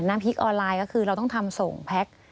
น้ำพริกออนไลน์ก็คือเราต้องทำส่งแพ็ค